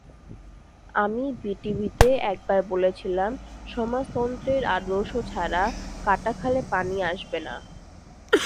আমি বিটিভিতে একবার বলেছিলাম, সমাজতন্ত্রের আদর্শ ছাড়া কাটা খালে পানি আসবে না।